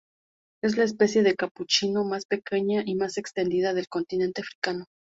Es la especie de capuchino más pequeña y más extendida del continente africano.